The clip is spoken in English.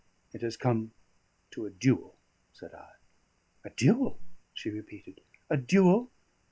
"It has come to a duel," said I. "A duel?" she repeated. "A duel!